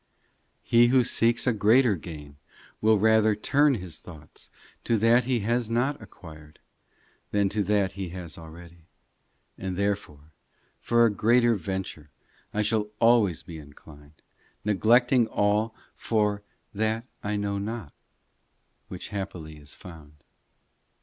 VIII He who seeks a greater gain Will rather turn his thoughts To that he has not acquired Than to that he has already. And therefore for a greater venture I shall always be inclined, Neglecting all for that I know not, Which happily is found.